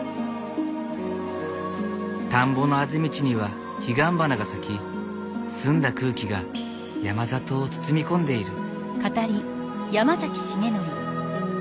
田んぼのあぜ道には彼岸花が咲き澄んだ空気が山里を包み込んでいる。